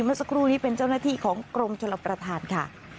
เมื่อสักครู่นี้เป็นเจ้าหน้าที่ของกรมชลประธานค่ะ